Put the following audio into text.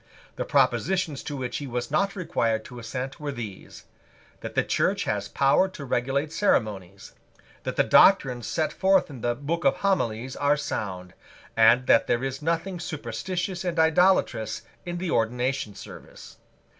The propositions to which he was not required to assent were these; that the Church has power to regulate ceremonies; that the doctrines set forth in the Book of Homilies are sound; and that there is nothing superstitious and idolatrous in the ordination service.